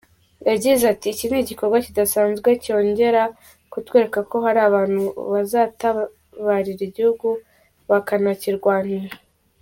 Yagize ati “Iki ni igikorwa kidasanzwe cyongera kutwereka ko hari abantu bazatabarira igihugu bakanakirwanira.